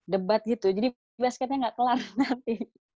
debat gitu jadi basketnya nggak kelar nanti